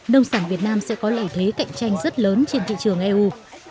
nông sản việt nam sẽ có lợi thế cạnh tranh rất lớn trên thị trường eu